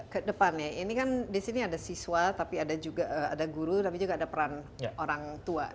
kedepannya ini kan di sini ada siswa tapi ada juga ada guru tapi juga ada peran orang tua